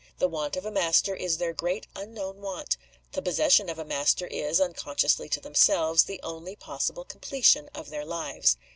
The want of a master is their great unknown want; the possession of a master is unconsciously to themselves the only possible completion of their lives.